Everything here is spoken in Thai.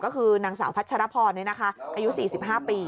ก็คือนางสาวพัชรพรนี่นะคะอายุ๔๕ปี